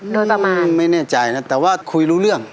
โดยประมาณไม่แน่ใจนะแต่ว่าคุยรู้เรื่อง